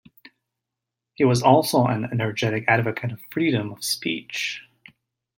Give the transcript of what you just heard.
He was also an energetic advocate of freedom of speech.